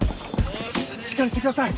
しっかりしてください！